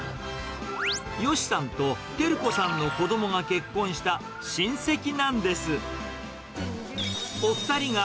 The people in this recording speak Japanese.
ヨシさんとテル子さんの子どもが結婚した親戚なんです。